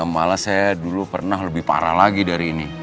malah saya dulu pernah lebih parah lagi dari ini